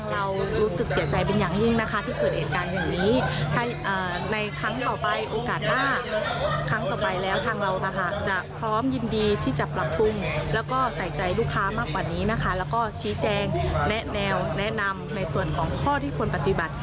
เราก็แนะแนวแนะนำในส่วนของข้อที่ควรปฏิบัติ